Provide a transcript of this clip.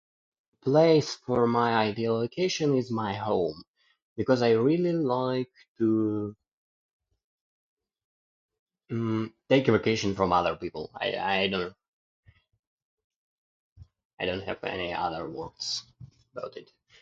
Place for my ideal vacation is my home. Because I really like to, hmm, take vacation from other people. I, I don't... I don't have any other words about it.